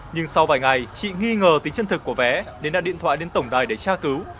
nhưng sau vài ngày chị nghi ngờ tính chân thực của vé nên đặt điện thoại đến tổng đài để tra cứu